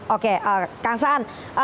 oke kang saan